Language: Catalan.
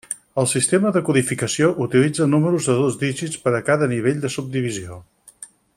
El sistema de codificació utilitza números de dos dígits per a cada nivell de subdivisió.